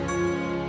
tenang tenang tenang